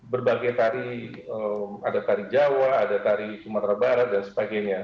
berbagai tari ada tari jawa ada tari sumatera barat dan sebagainya